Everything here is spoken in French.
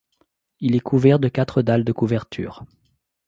Il est couvert de quatre dalles de couverture.